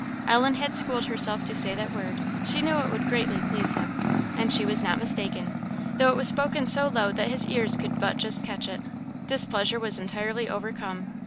Ellen had schooled herself to say that word; she knew it would greatly please him; and she was not mistaken, though it was spoken so low that his ears could but just catch it. Displeasure was entirely overcome.